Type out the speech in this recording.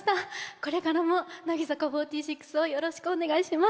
これからも乃木坂４６をよろしくお願いします。